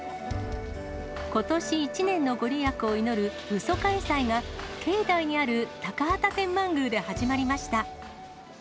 ことし一年の御利益を祈るうそかえ祭が、境内にある高畑天満宮で始まりました。